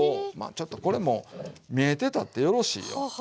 ちょっとこれも見えてたってよろしいよ。